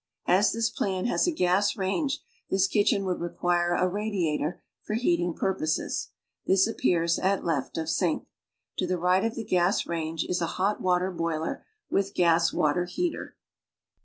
As this plan has a gas range, tiiis kitchen would require a ra diator for heating purposes. This appears at left of sink. To the right of the gas range is a hot water boiler with gas water heater.